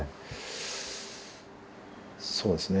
そうですね。